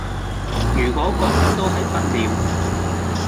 如果覺得都係不了